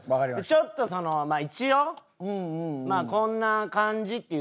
ちょっとその一応こんな感じっていう参考程度に。